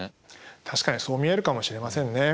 確かにそう見えるかもしれませんね。